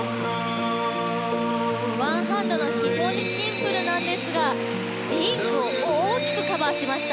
ワンハンドの非常にシンプルなんですがリンクを大きくカバーしました。